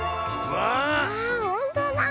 わあほんとだ。